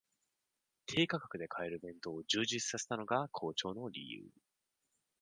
低価格で買える弁当を充実させたのが好調の理由